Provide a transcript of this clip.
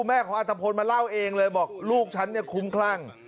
แม่ของอัตภพลมาเล่าเองเลยบอกลูกฉันเนี่ยคุ้มคลั่ง